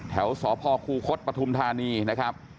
แถวสพคุคศประธุมธานีนะครับ